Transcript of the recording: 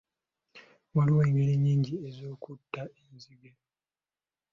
Waliwo engeri nnyingi ez'okutta enzige.